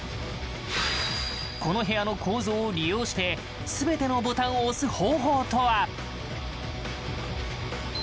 この部屋の構造を利用して全てのボタンを押す方法とは？